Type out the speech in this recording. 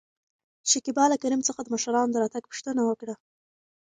شکيبا له کريم څخه د مشرانو د راتګ پوښتنه وکړه.